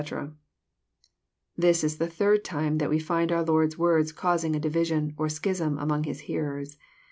'] This is the third time that we find our Lord's words causing a division, or schism, among His hearers.